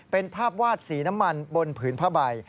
เป็นภาพวาดสีน้ำมันบนผืนผ้าใบ